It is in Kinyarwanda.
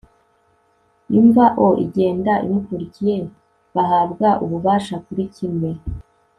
Imva o igenda imukurikiye bahabwa ububasha kuri kimwe